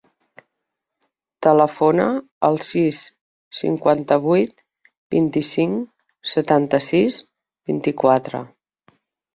Telefona al sis, cinquanta-vuit, vint-i-cinc, setanta-sis, vint-i-quatre.